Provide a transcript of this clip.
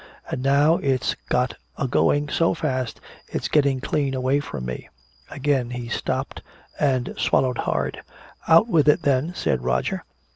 And now it's got agoing so fast it's getting clean away from me!" Again he stopped, and swallowed hard. "Out with it, then," said Roger.